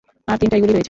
আর তিনটাই গুলি রয়েছে।